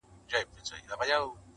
دا کيسه پوښتنه پرېږدي تل تل